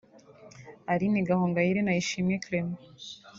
Aline Gahongayire na Ishimwe Clement